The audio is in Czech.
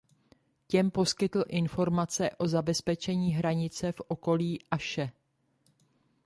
Těm poskytl informace o zabezpečení hranice v okolí Aše.